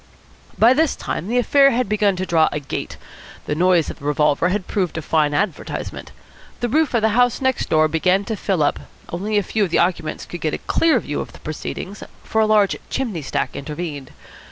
By this time the affair had begun to draw a "gate." The noise of the revolver had proved a fine advertisement. The roof of the house next door began to fill up. Only a few of the occupants could get a clear view of the proceedings, for a large chimney stack intervened.